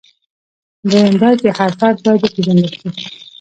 دویم دا چې هر فرد باید وپېژندل شي.